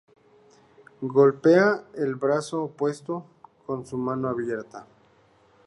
Golpea el brazo opuesto con su mano abierta.